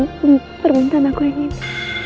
enggak membenahi permintaan aku yang ini